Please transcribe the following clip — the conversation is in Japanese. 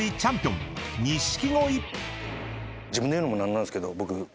自分で言うのも何なんすけど僕。